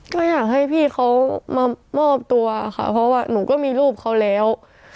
ก็อยากให้พี่เขามามอบตัวค่ะเพราะว่าหนูก็มีรูปเขาแล้ว